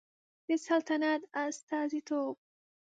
د سلطنت استازیتوب